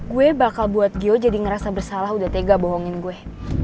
gue bakal buat gio jadi ngerasa bersalah udah tega bohongin gue